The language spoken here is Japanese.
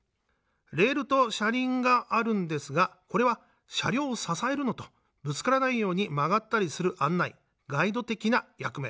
レールと車輪があるんですがこれは車両を支えるのとぶつからないように曲がったりする案内ガイド的な役目。